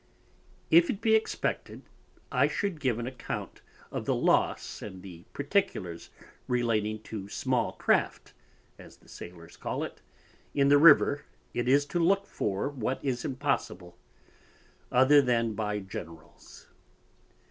If it be expected I should give an account of the loss, and the particulars relating to small Craft, as the Sailors call it, in the River it is to look for what is impossible, other than by generals.